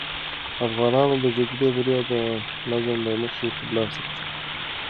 افغانانو د جګړې بریا د نظم له مخې ترلاسه کړه.